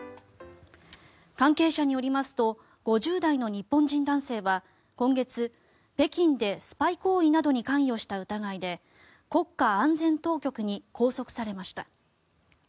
関係者によりますと５０代の日本男性は今月、北京でスパイ行為などに関与した疑いで国家安全当局に拘束されました。